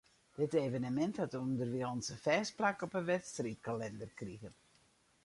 Dit evenemint hat ûnderwilens in fêst plak op 'e wedstriidkalinder krigen.